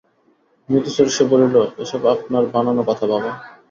মৃদুস্বরে সে বলিল, এসব আপনার বানানো কথা বাবা।